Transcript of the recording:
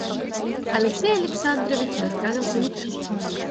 Алексей Александрович раскланялся и вышел.